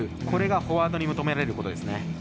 これがフォワードに求められることですね。